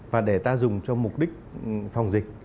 và để ta dùng cho mục đích phòng dịch